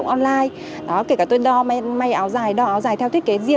mọi rào cản cũng đã vượt qua